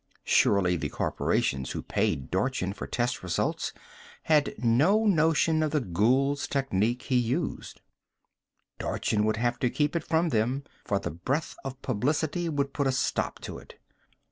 Surely the corporations who paid Dorchin for test results had no notion of the ghoul's technique he used; Dorchin would have to keep it from them, for the breath of publicity would put a stop to it.